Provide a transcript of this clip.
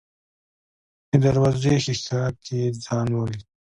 د دروازې ښيښه کې يې ځان وليد.